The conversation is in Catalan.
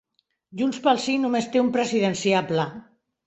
Junts pel Sí només té un presidenciable